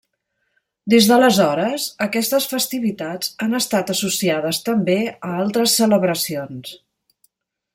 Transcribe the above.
Des d'aleshores aquestes festivitats han estat associades també a altres celebracions.